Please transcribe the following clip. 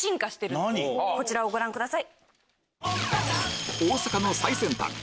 こちらをご覧ください。